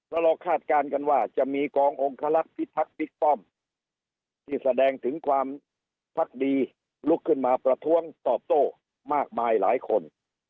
แล้วเราคาดการณ์กันว่าจะมีกององคลักษณ์พิทักษ์บิ๊กป้อมที่แสดงถึงความพักดีลุกขึ้นมาประท้วงตอบโต้มากมายหลายคน